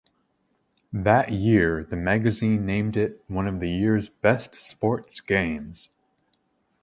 That year the magazine named it one of the year's best sports games.